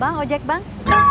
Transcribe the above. bang ojek bang